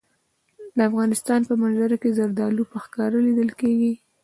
د افغانستان په منظره کې زردالو په ښکاره لیدل کېږي.